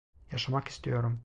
Yaşamak istiyorum.